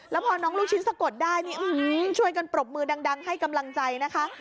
แล้วพอน้องลูกชิ้นสะกดได้นี่ช่วยกันปรบมือดังให้กำลังใจนะคะ